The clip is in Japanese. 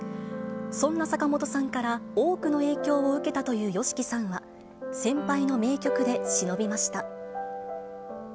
そんな坂本さんから多くの影響を受けたというＹＯＳＨＩＫＩさんは、先輩の名曲でしのびました。